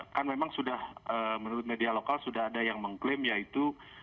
kan memang sudah menurut media lokal sudah ada yang mengklaim yaitu